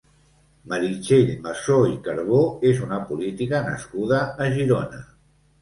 Meritxell Masó i Carbó és una política nascuda a Girona.